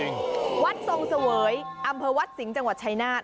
อร์ตรวรรดิ์ทรงเสวยอันผัววัดสิงห์ดจังหวัดชายนาฏ